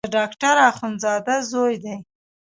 د ډاکټر اخندزاده زوی دی.